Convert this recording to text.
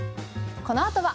このあとは。